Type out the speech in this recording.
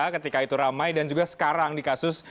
ketika itu ramai dan juga sekarang di kasus